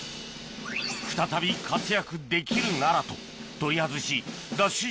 再び活躍できるならと取り外しＤＡＳＨ